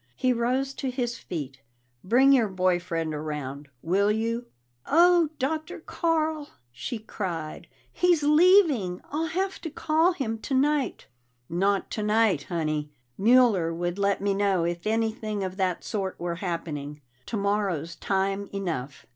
He rose to his feet. "Bring your boy friend around, will you?" "Oh, Dr. Carl!" she cried. "He's leaving! I'll have to call him tonight!" "Not tonight, Honey. Mueller would let me know if anything of that sort were happening. Tomorrow's time enough."